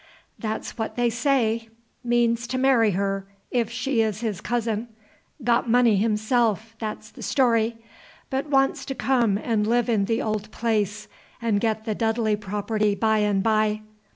"That 's what they say. Means to marry her, if she is his cousin. Got money himself, that 's the story, but wants to come and live in the old place, and get the Dudley property by and by."